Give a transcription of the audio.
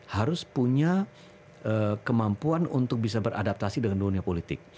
harus punya kemampuan untuk bisa beradaptasi dengan dunia politik